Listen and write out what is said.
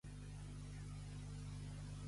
Toqueu música balladora, que volem ballar!